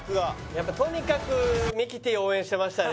やっぱとにかくミキティ応援してましたね